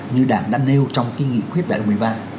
như đảng đã nêu trong cái nghị quyết đại hội một mươi ba